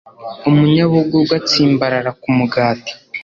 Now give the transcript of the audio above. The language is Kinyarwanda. umunyabugugu atsimbarara ku mugati